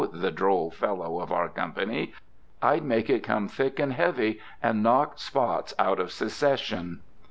the droll fellow of our company. "I'd make it come thick and heavy and knock spots out of Secession."